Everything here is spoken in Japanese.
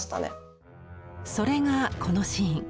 それがこのシーン。